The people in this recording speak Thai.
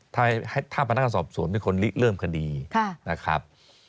ถ้าพนักงานสอบสวนเป็นคนลิเริ่มคดีนะครับ